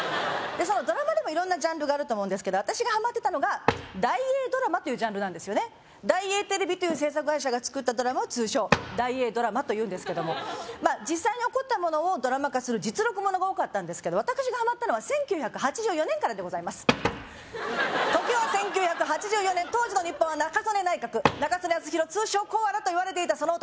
ドラマでも色んなジャンルがあると思うんですけど私がハマってたのが大映ドラマというジャンルなんですよね大映テレビという制作会社が作ったドラマを通称大映ドラマというんですけども実際に起こったものをドラマ化する実録物が多かったんですけど私がハマったのは１９８４年からでございます時は１９８４年当時の日本は中曽根内閣中曽根康弘通称コアラといわれていたその男